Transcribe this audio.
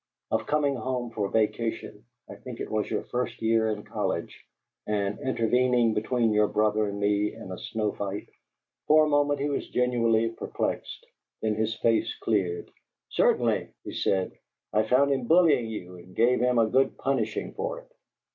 Of coming home for vacation I think it was your first year in college and intervening between your brother and me in a snow fight?" For a moment he was genuinely perplexed; then his face cleared. "Certainly," he said: "I found him bullying you and gave him a good punishing for it."